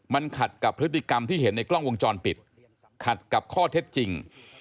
มันขัดกับพฤติกรรมที่เห็นในกล้องวงจรปิดขัดกับข้อเท็จจริง